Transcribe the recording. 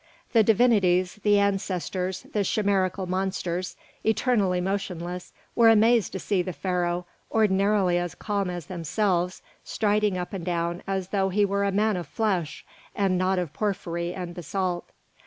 The divinities, the ancestors, the chimerical monsters, eternally motionless, were amazed to see the Pharaoh, ordinarily as calm as themselves, striding up and down as though he were a man of flesh, and not of porphyry and basalt.